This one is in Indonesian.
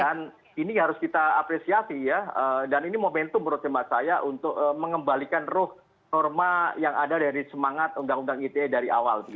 ini harus kita apresiasi ya dan ini momentum menurut teman saya untuk mengembalikan ruh norma yang ada dari semangat undang undang ite dari awal